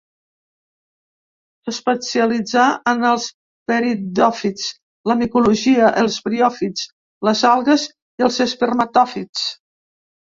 S'especialitzà en els pteridòfits, la micologia, els briòfits, les algues i els espermatòfits.